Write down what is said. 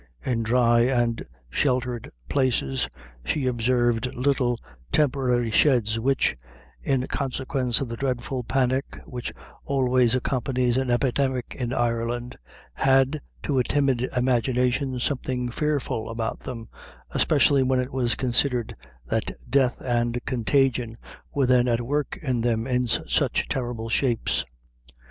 In dry and sheltered places she observed little temporary sheds, which, in consequence of the dreadful panic which always accompanies an epidemic in Ireland, had, to a timid imagination, something fearful about them, especially when it is considered that death and contagion were then at work in them in such terrible shapes.